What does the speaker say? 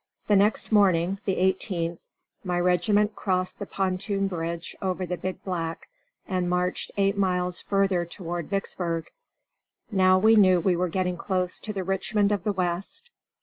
The next morning (the 18th) my regiment crossed the pontoon bridge over the Big Black and marched eight miles further toward Vicksburg. Now we knew we were getting close to the Richmond of the West.